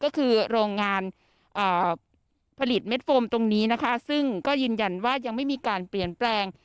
ก็คือโรงงานผลิตเม็ดโฟมตรงนี้นะคะซึ่งก็ยืนยันว่ายังไม่มีการเปลี่ยนแปลง